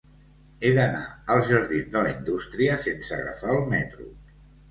He d'anar als jardins de la Indústria sense agafar el metro.